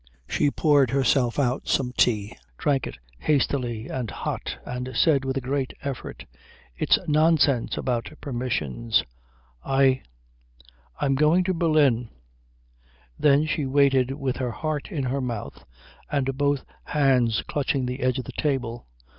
She poured herself out some more tea, drank it hastily and hot, and said with a great effort, "It's nonsense about permissions. I I'm going to Berlin." Then she waited with her heart in her mouth and both hands clutching the edge of the table.